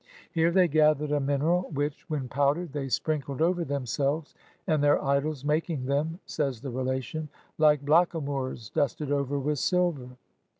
Here they gathered a mineral which, when powdered, they sprinkled over themselves and their idols ''making them,'* says the relation, "like blackamoors dusted over with silver."